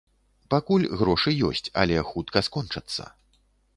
Пакуль грошы ёсць, але хутка скончацца.